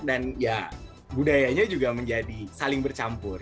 dan ya budayanya juga menjadi saling bercampur